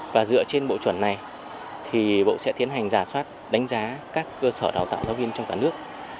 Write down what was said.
và dựa trên bộ chuẩn này thì bộ sẽ tiến hành giả soát đánh giá các cơ sở đào tạo giáo viên trong cả nước